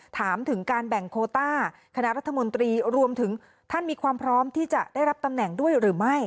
ถามถึงการแบ่งโคต้าคณะรัฐมนตรีรวมถึงท่านมีความพร้อมที่จะได้รับตำแหน่งด้วยหรือไม่